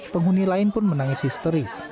penghuni lain pun menangis histeris